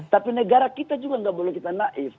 tapi negara kita juga nggak boleh kita naif